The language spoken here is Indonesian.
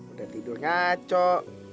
udah tidur ngacok